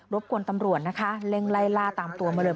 บกวนตำรวจนะคะเร่งไล่ล่าตามตัวมาเลย